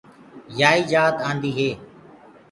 يائيٚ جآت آنٚديٚ هي۔